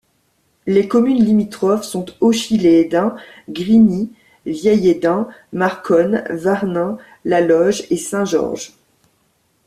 Les communes limitrophes sont Auchy-lès-Hesdin, Grigny, Vieil-Hesdin, Marconne, Wamin, La Loge et Saint-Georges.